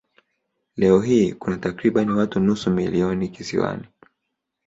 Leo hii kuna takriban watu nusu milioni kisiwani.